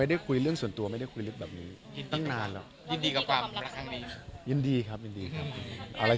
ที่ดูเรื่องส่วนดี